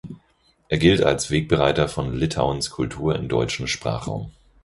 Er gilt als Wegbereiter von Litauens Kultur im deutschen Sprachraum.